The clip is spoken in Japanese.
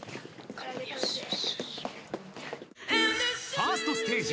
［ファーストステージ。